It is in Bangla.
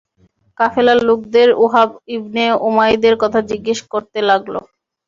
কাফেলার লোকদের ওহাব ইবনে উমাইরের কথা জিজ্ঞেস করতে লাগল।